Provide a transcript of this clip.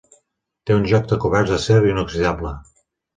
Té un joc de coberts d'acer inoxidable.